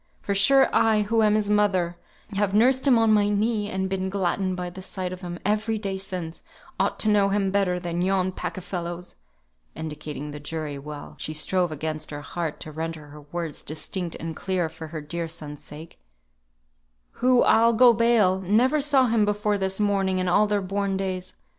For sure, I, who am his mother, and have nursed him on my knee, and been gladdened by the sight of him every day since, ought to know him better than yon pack of fellows" (indicating the jury, while she strove against her heart to render her words distinct and clear for her dear son's sake) "who, I'll go bail, never saw him before this morning in all their born days.